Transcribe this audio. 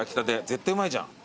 絶対うまいじゃん。